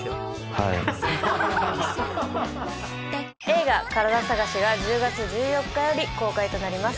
映画『カラダ探し』が１０月１４日より公開となります。